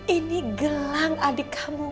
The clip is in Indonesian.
ini gelang adik kamu